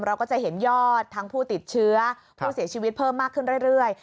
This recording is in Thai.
เราก็จะเห็นยอดทั้งผู้ติดเชื้อผู้เสียชีวิตเพิ่มมากขึ้นเรื่อย